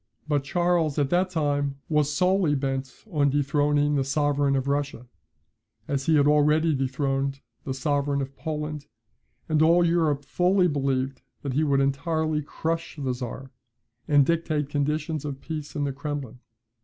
But Charles at that time was solely bent on dethroning the sovereign of Russia, as he had already dethroned the sovereign of Poland, and all Europe fully believed that he would entirely crush the Czar, and dictate conditions of peace in the Kremlin.